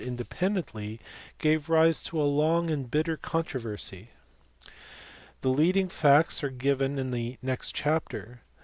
353 independently gave rise to a long and bitter controversy. The leading facts are given in the next chapter.